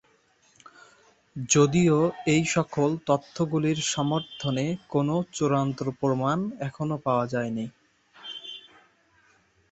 যদিও এইসকল তত্ত্বগুলির সমর্থনে কোন চূড়ান্ত প্রমাণ এখনও পাওয়া যায়নি।